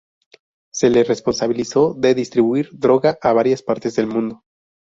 Se le responsabilizó de distribuir droga a varias partes del mundo.